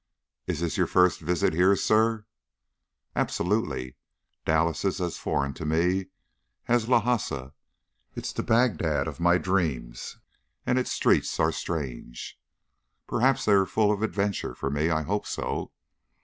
"Is this your first visit here, sir?" "Absolutely. Dallas is as foreign to me as Lhasa. It is the Baghdad of my dreams and its streets are strange. Perhaps they are full of adventure for me. I hope so.